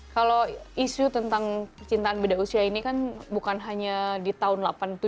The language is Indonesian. kalau isu tentang percintaan beda usia ini kan bukan hanya di tahun seribu sembilan ratus delapan puluh tujuh